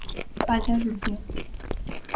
Faltan solucións.